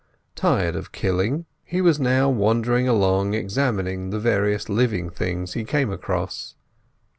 Tired of killing, he was now wandering along, examining the various living things he came across.